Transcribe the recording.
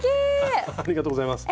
ありがとうございます。